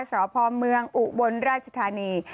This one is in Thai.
สพเมืองอุบลราชธานี